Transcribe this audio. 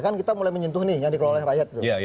kan kita mulai menyentuh nih yang dikelola rakyat